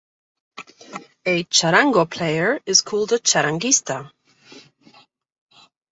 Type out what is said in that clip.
A charango player is called a "charanguista".